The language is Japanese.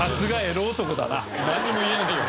何も言えないよ